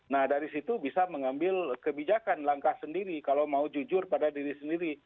nah dari situ bisa mengambil kebijakan langkah sendiri kalau mau jujur pada diri sendiri